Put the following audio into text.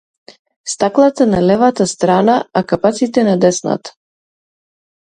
Стаклата на левата страна, а капаците на десната.